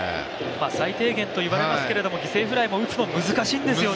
最低限といわれますけど、犠牲フライ打つのも難しいんですよね。